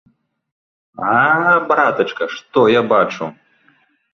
А, братачка, што я бачу!